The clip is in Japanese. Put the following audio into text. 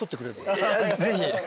ぜひ。